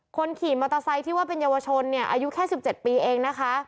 คนขี่มอเตอร์ไซค์ที่ว่าเป็นเยาวชนเนี่ยอายุแค่๑๗ปีเองนะคะ